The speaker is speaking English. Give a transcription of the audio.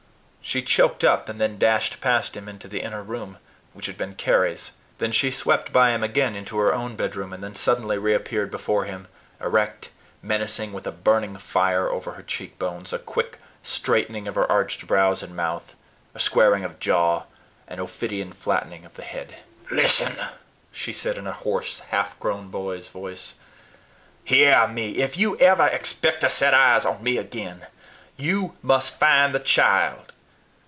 She choked up, and then dashed past him into the inner room, which had been Carry's; then she swept by him again into her own bedroom, and then suddenly reappeared before him, erect, menacing, with a burning fire over her cheekbones, a quick straightening of her arched brows and mouth, a squaring of jaw, and ophidian flattening of the head. "Listen!" she said in a hoarse, half grown boy's voice. "Hear me! If you ever expect to set eyes on me again, you must find the child.